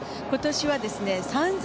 今年は３０００